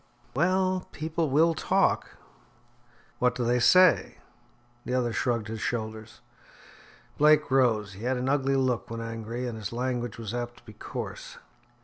"Well, people will talk." "What do they say?" The other shrugged his shoulders. Blake rose. He had an ugly look when angry, and his language was apt to be coarse.